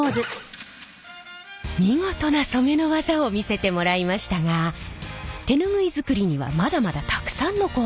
見事な染めの技を見せてもらいましたが手ぬぐい作りにはまだまだたくさんの工程があります。